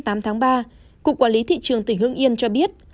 ngày hai mươi tám tháng ba cục quản lý thị trường tỉnh hương yên cho biết